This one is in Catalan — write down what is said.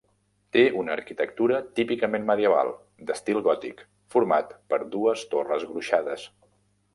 Té una arquitectura típicament medieval, d'estil gòtic, format per dues torres gruixades.